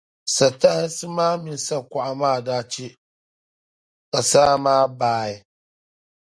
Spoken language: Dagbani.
satahinsi maa mini sakuɣa maa daa chɛ, ka saa maa baai.